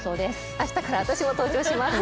あしたから私も登場します。